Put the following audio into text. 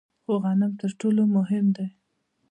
خو غنم تر ټولو مهم دي.